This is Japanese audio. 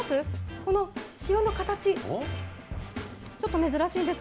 この塩の形、ちょっと珍しいんです。